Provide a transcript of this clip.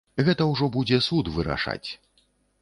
Гэта ўжо будзе суд вырашаць.